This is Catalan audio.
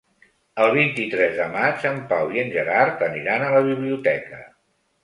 El vint-i-tres de maig en Pau i en Gerard aniran a la biblioteca.